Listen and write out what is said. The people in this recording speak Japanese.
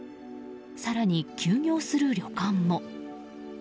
更に休業する旅館も。